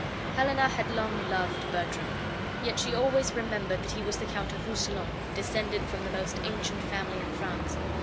Helena had long loved Bertram, yet she always remembered that he was the Count of Rousillon, descended from the most ancient family in France.